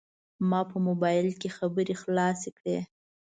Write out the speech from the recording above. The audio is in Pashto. ما په موبایل خبرې خلاصې کړې.